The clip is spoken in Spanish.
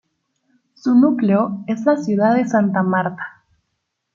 Su núcleo es la ciudad de Santa Marta.